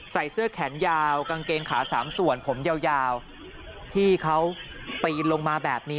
ใส่เสื้อแขนยาวกางเกงขาสามส่วนผมยาวพี่เขาปีนลงมาแบบนี้